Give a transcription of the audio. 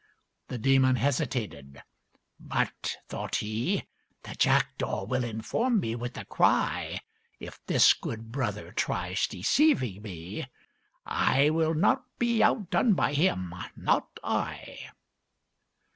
The demon hesitated. "But," thought he, "The jackdaw will inform me with a cry If this good brother tries deceiving me; I will not be outdone by him not I!"